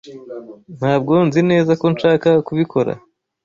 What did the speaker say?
Ntabwo nzi neza ko nshaka kubikora.